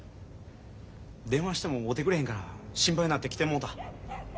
電話しても会うてくれへんから心配なって来てもうた。